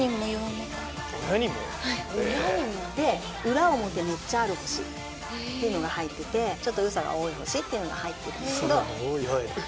めっちゃある星っていうのが入っててちょっと嘘が多い星っていうのが入ってるんだけど。